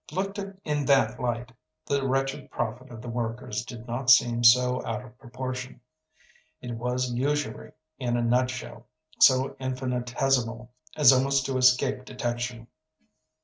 Looked at in that light, the wretched profit of the workers did not seem so out of proportion. It was usury in a nutshell, so infinitesimal as almost to escape detection.